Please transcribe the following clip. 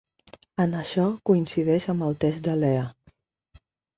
En això coincideix amb el test de Lea.